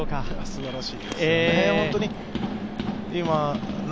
すばらしいですよね。